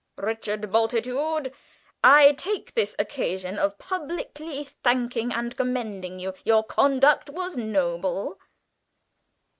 Richard Bultitude, I take this occasion of publicly thanking and commending you; your conduct was noble!"